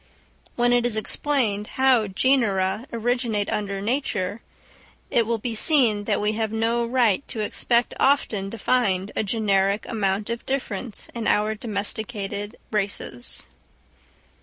When it is explained how genera originate under nature, it will be seen that we have no right to expect often to find a generic amount of difference in our domesticated races.